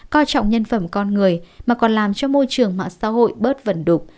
coi trọng nhân phẩm con người mà còn làm cho môi trường mạng xã hội bớt vẩn đục